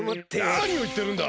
なにをいってるんだ！